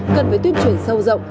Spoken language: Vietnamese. cần phải tuyên truyền sâu rộng